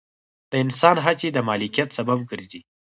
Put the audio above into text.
د انسان هڅې د مالکیت سبب ګرځي.